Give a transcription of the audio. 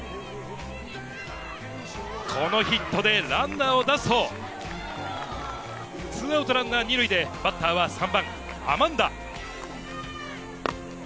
このヒットでランナーを出すと、２アウトランナー２塁でバッターは３番・アマンダ。